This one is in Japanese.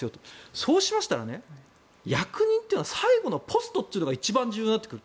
そうしましたら役人というのは最後のポストというのが一番重要になってくる。